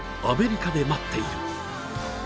アメリカで待っている。